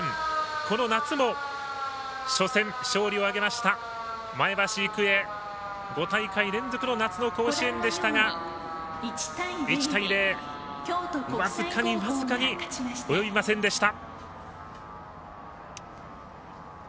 この夏も初戦、勝利を挙げました前橋育英、５大会連続の夏の甲子園でしたが１対０僅かに、及びませんでした。